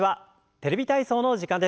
「テレビ体操」の時間です。